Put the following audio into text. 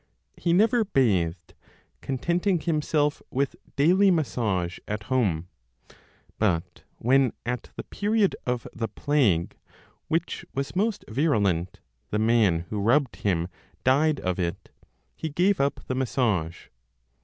He never bathed, contenting himself, with daily massage at home. But when at the period of the plague, which was most virulent, the man who rubbed him died of it, he gave up the massage.